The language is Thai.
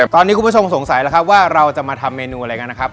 ตอนนี้คุณผู้ชมสงสัยแล้วครับว่าเราจะมาทำเมนูอะไรกันนะครับ